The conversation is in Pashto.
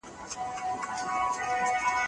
ولي هوډمن سړی د هوښیار انسان په پرتله ډېر مخکي ځي؟